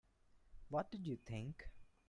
What did you think?